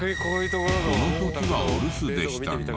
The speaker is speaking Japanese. この時はお留守でしたが。